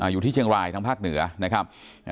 อยู่ที่เชียงรายทางภาคเหนือนะครับ